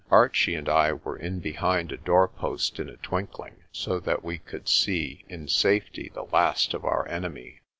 Archie and I were in behind a doorpost in a twinkling, so that we could see in safety the last of our enemy.